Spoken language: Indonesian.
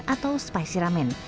atau spacy ramen